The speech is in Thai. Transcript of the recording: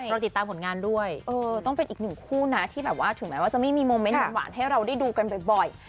เราติดตามผลงานด้วยเออต้องเป็นอีกหนึ่งคู่นะที่แบบว่าถึงแม้ว่าจะไม่มีโมเมนต์หวานให้เราได้ดูกันบ่อย